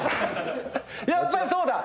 やっぱりそうだ！